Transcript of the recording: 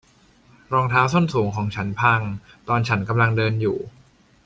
รองเท้าส้นสูงของฉันพังตอนฉันกำลังเดินอยู่